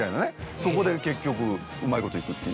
そこで結局うまいこといくっていう。